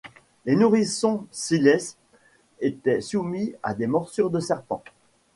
Les nourrissons Psylles étaient soumis à des morsures de serpent.